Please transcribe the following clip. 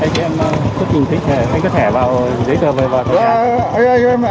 thì em có kiểm soát thẻ anh có thẻ vào giấy tờ về vào thẻ nhé